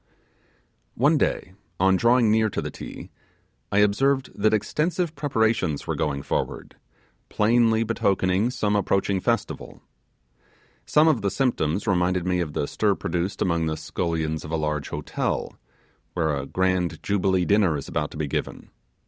One day, on drawing near to the Ti, I observed that extensive preparations were going forward, plainly betokening some approaching festival. Some of the symptoms reminded me of the stir produced among the scullions of a large hotel, where a grand jubilee dinner is about to be given.